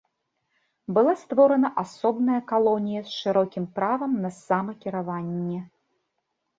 Была створана асобная калонія з шырокім правам на самакіраванне.